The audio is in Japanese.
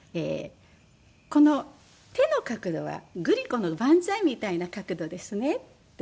この手の角度はグリコの万歳みたいな角度ですねって。